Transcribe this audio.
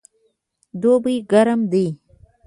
دوبی ګرم دی